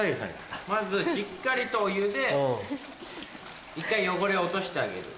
まずしっかりとお湯で一回汚れを落としてあげる。